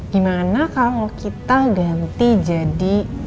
gimana kalau kita ganti jadi